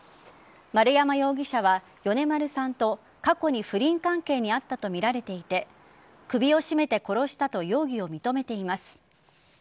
丸山容疑者は米丸さんと過去に不倫関係にあったとみられていて首を絞めて殺したと容疑を認めています。